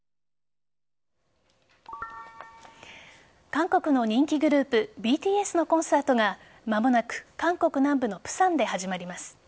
韓国の人気グループＢＴＳのコンサートが間もなく韓国南部の釜山で始まります。